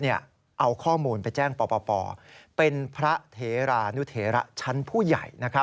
เอาข้อมูลไปแจ้งปปเป็นพระเถรานุเถระชั้นผู้ใหญ่